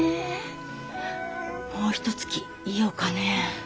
もうひとつきいようかねえ。